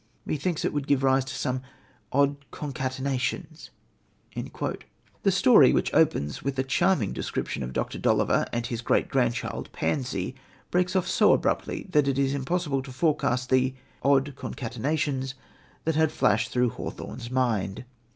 Methinks it would give rise to some odd concatenations." The story, which opens with a charming description of Dr. Dolliver and his great grandchild, Pansie, breaks off so abruptly that it is impossible to forecast the "odd concatenations" that had flashed through Hawthorne's mind.